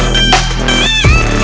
kami tahu ibu